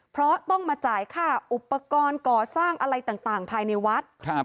เพราะต้องมาจ่ายค่าอุปกรณ์ก่อสร้างอะไรต่างภายในวัด